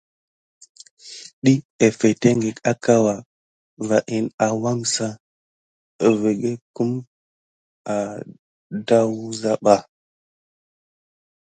Ɗiy afeteŋgək akawa va in awangsa akoko vigue kum edawuza ba.